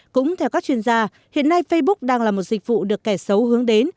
cũng theo các chuyên gia hiện nay facebook đang là một dịch vụ được kẻ xấu hướng đến